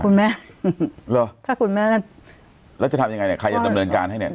คุณแม่เหรอถ้าคุณแม่แล้วจะทำยังไงเนี่ยใครจะดำเนินการให้เนี่ย